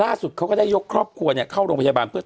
คือคือคือคือคือคือ